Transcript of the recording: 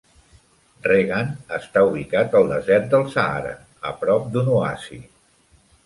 Reggane està ubicat al desert del Sàhara, a prop d'un oasi.